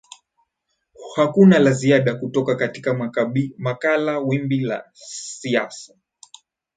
hakuna la ziada kutoka katika makala wimbi la siasa